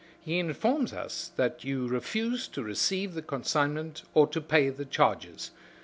He informs us that you refused to receive the consignment or to pay the charges.